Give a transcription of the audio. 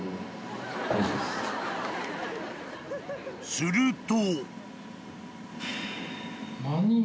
［すると］